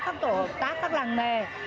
các tổ hợp tác các làng mề